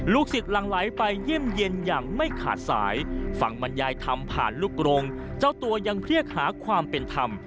สิทธิ์หลังไหลไปเยี่ยมเย็นอย่างไม่ขาดสายฝั่งบรรยายทำผ่านลูกกรงเจ้าตัวยังเรียกหาความเป็นธรรม